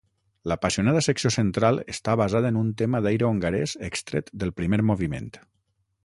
L'apassionada secció central està basada en un tema d'aire hongarès extret del primer moviment.